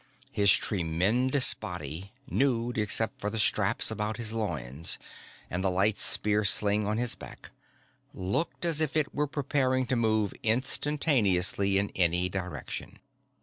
His tremendous body, nude except for the straps about his loins and the light spear sling on his back, looked as if it were preparing to move instantaneously in any direction.